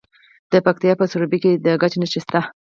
د پکتیکا په سروبي کې د ګچ نښې شته.